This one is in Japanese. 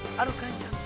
ちゃんと。